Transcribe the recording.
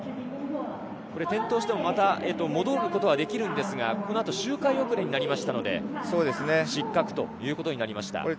転倒してもまた戻ることはできるんですが、周回遅れになりましたので、失格ということになりました。